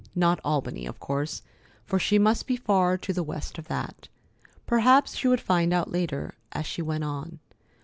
Not Albany, of course, for she must be far to the west of that. Perhaps she would find out later, as she went on.